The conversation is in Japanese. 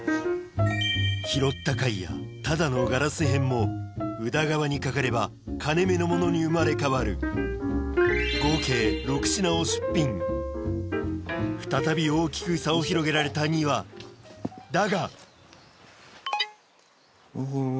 拾った貝やただのガラス片も宇田川にかかれば金目のものに生まれ変わる合計６品を出品再び大きく差を広げられた丹羽だが２品目。